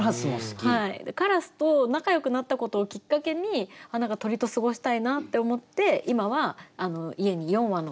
カラスと仲よくなったことをきっかけに何か鳥と過ごしたいなって思って今は家に４羽のインコオウムがいます。